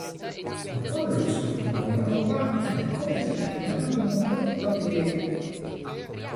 Ma quando il suo furgone verrà rubato, le cose prenderanno una brutta piega.